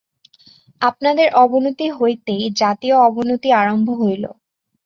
আপনাদের অবনতি হইতেই জাতীয় অবনতি আরম্ভ হইল।